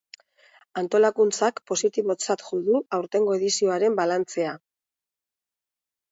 Antolakuntzak positibotzat jo du aurtengo edizioaren balantzea.